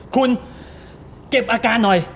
คุณเก็บอาการหน่อย